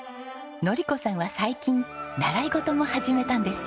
典子さんは最近習い事も始めたんですよ。